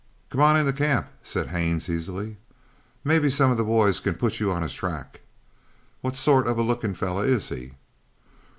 "Come on into the camp," said Haines easily. "Maybe some of the boys can put you on his track. What sort of a looking fellow is he?"